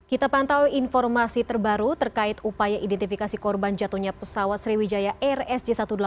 kita pantau informasi terbaru terkait upaya identifikasi korban jatuhnya pesawat sriwijaya air sj satu ratus delapan puluh